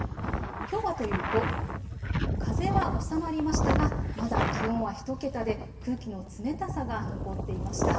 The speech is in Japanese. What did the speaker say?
きょうはというと風は収まりましたがまだ気温は１桁で空気の冷たさが残っていました。